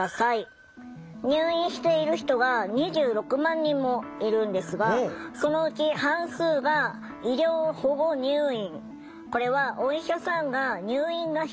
入院している人が２６万人もいるんですがそのうち半数が医療保護入院。